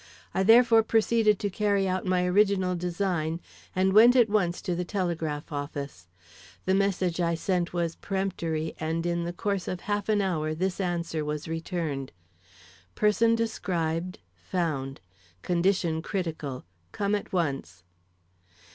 I therefore proceeded to carry out my original design and went at once to the telegraph office. The message I sent was peremptory and in the course of half an hour this answer was returned. Person described, found. Condition critical. Come at once.